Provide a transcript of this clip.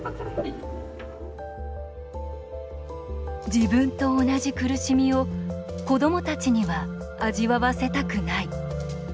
自分と同じ苦しみを子どもたちには味わわせたくない。